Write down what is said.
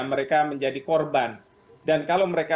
mereka menjadi korban dan kalau mereka